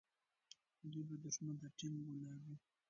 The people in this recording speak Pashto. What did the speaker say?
دوی به دښمن ته ټینګ ولاړ وي.